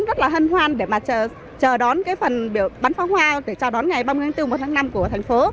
rất là hân hoan để mà chờ đón cái phần biểu bắn pháo hoa để chào đón ngày ba mươi tháng bốn một tháng năm của thành phố